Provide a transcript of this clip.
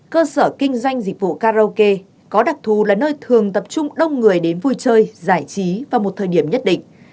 cơ sở kinh doanh dịch vụ karaoke có đặc thù là nơi thường tập trung đông người đến vui chơi giải trí vào một thời điểm nhất định